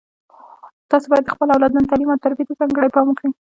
تاسو باید د خپلو اولادونو تعلیم او تربیې ته ځانګړی پام وکړئ